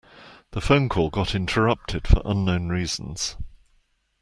The phone call got interrupted for unknown reasons.